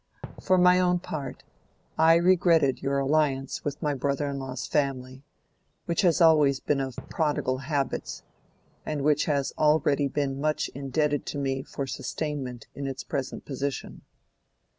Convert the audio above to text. For my own part, I regretted your alliance with my brother in law's family, which has always been of prodigal habits, and which has already been much indebted to me for sustainment in its present position.